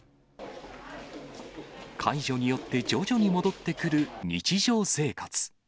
解除によって徐々に戻ってくる日常生活。